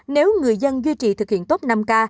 nếu người dân duy trì thực hiện tốt năm k